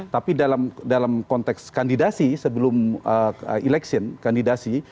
tapi dalam konteks kandidasi sebelum eleksi